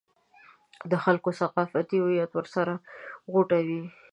د خلکو ثقافتي هویت ورسره غوټه وي.